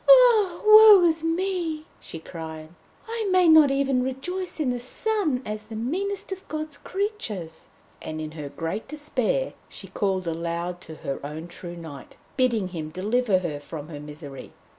'Ah, woe is me!' she cried. 'I may not even rejoice in the sun as the meanest of God's creatures!' And in her great despair she called aloud to her own true knight, bidding him deliver her from her misery.